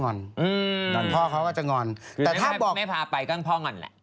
นอนพ่อเขาก็จะงอนแต่ถ้าบอกไม่พาไปก็พ่องอนแหละ